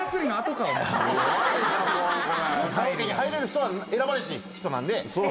棺おけに入れる人は選ばれし人なんで。